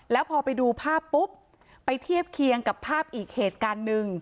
แล้วพอไปดูภาพปุ๊บไปเทียบเคียงกับภาพอีกเหตุการณ์หนึ่ง